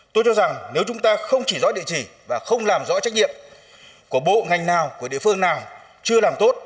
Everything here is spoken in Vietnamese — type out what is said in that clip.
tôi cho rằng nếu chúng ta không chỉ rõ địa chỉ và không làm rõ trách nhiệm của bộ ngành nào của địa phương nào chưa làm tốt